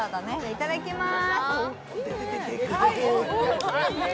いただきまーす。